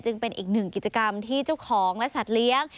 เป็นอีกหนึ่งกิจกรรมที่เจ้าของและสัตว์เลี้ยง